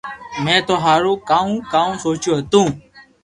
مي ٿو ھارو ڪاو ڪاو سوچيو ھتو